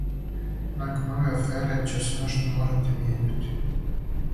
Након ове афере ће се нешто морати мијењати.